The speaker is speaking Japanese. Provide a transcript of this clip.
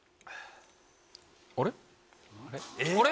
あれ？